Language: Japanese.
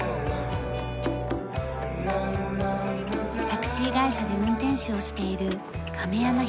タクシー会社で運転手をしている亀山博さん。